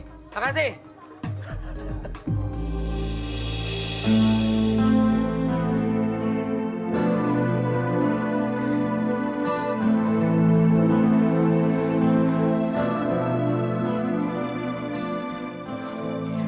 sebentar lagi bapak pulang